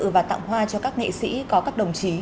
và tặng hoa cho các nghệ sĩ có các đồng chí